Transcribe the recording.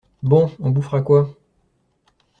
Bon, on bouffera quoi?